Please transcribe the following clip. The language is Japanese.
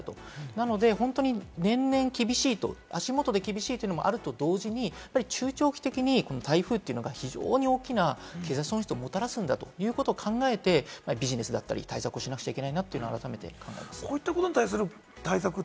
なので本当に年々、厳しいと足元で厳しいのもあると同時に、中長期的に台風が非常に大きな経済損失をもたらすんだということを考えて、ビジネスだったり対策をしなくちゃいけないなと改めて考えます。